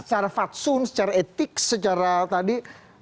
secara faksun secara etik secara tadi